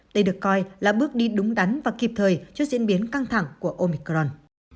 đây được coi là bước đi đúng đắn và kịp thời trước diễn biến căng thẳng của omicron